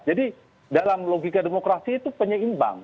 jadi dalam logika demokrasi itu penyeimbang